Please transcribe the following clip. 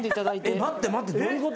待って待ってどういうこと？